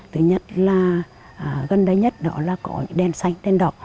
thứ nhất là gần đây nhất đó là có đèn xanh đèn đỏ